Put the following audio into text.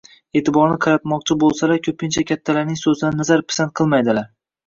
e’tiborni qaratmoqchi bo‘lsalar ko‘pincha kattalarning so‘zlarini nazar-pisand qilmaydilar.